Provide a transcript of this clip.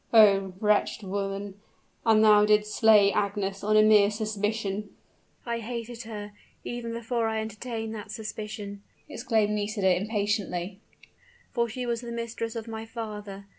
"Oh, wretched woman, and thou didst slay Agnes on a mere suspicion?" "I hated her even before I entertained that suspicion," exclaimed Nisida, impatiently; "for she was the mistress of my father!